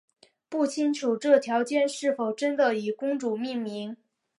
不清楚这条街是否真的以公主命名。